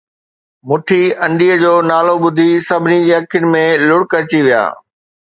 مٺي انڊيءَ جو نالو ٻڌي سڀني جي اکين ۾ لڙڪ اچي ويا